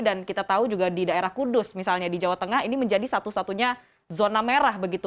dan kita tahu juga di daerah kudus misalnya di jawa tengah ini menjadi satu satunya zona merah begitu